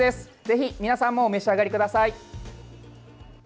ぜひ皆さんもお召し上がりください。